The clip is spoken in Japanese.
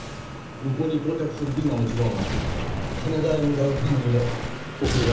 向こうに到着する便はもちろん羽田へ向かう便にも遅れが出るだろうな。